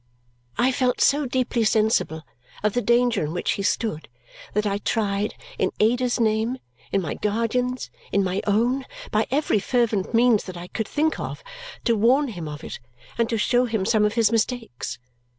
I felt so deeply sensible of the danger in which he stood that I tried, in Ada's name, in my guardian's, in my own, by every fervent means that I could think of, to warn him of it and to show him some of his mistakes.